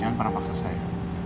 jangan pernah maksa saya